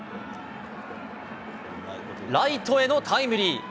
ライトへのタイムリー。